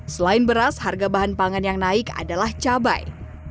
selain beras harga bahan pangan yang naik adalah cabai